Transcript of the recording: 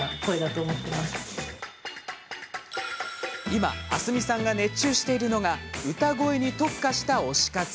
今、あすみさんが熱中しているのが歌声に特化した推し活。